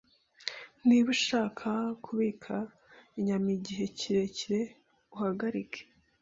Niba ushaka kubika inyama igihe kirekire, uhagarike.